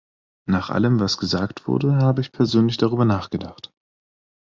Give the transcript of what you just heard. Nach allem, was gesagt wurde, habe ich persönlich darüber nachgedacht.